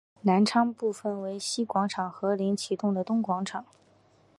南昌站分为西广场和临时启用的东广场。